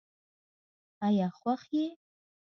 آیا خوښ یې؟